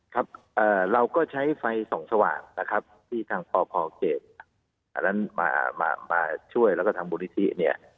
ครับเราก็ใช้ไฟส่องสว่างที่ทางภภเจสมาช่วยและทำบูรณิธิ